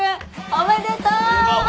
おめでとう。